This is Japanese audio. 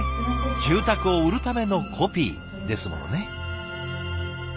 「住宅を売るためのコピー」ですものね。